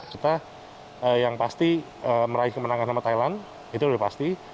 kita yang pasti meraih kemenangan sama thailand itu sudah pasti